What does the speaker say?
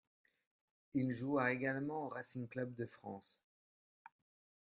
Il joua également au Racing club de France.